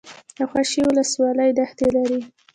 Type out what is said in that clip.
د خوشي ولسوالۍ دښتې لري